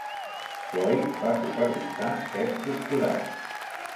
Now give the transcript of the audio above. Floyd va supervisar set doctorats.